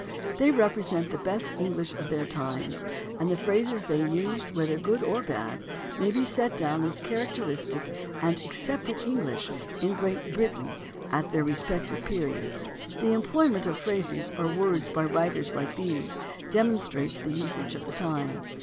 They represent the best English of their times, and the phrases they used, whether good or bad, may be set down as characteristic and accepted English in Great Britain at their respective periods. The employment of phrases or words by writers like these demonstrates the usage of the time.